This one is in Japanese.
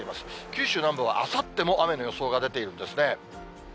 九州南部はあさっても雨の予想が出ているんですね。